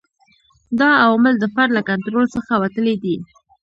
دا عوامل د فرد له کنټرول څخه وتلي دي.